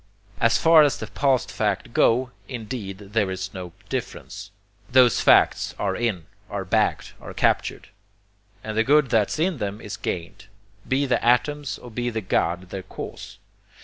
As far as the past facts go, indeed there is no difference. Those facts are in, are bagged, are captured; and the good that's in them is gained, be the atoms or be the God their cause.